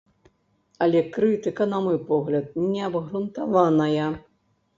Але крытыка, на мой погляд, не абгрунтаваная.